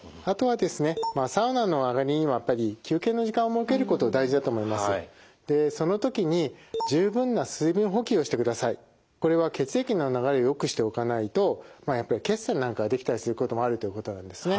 でその時にこれは血液の流れをよくしておかないとやっぱり血栓なんかが出来たりすることもあるということなんですね。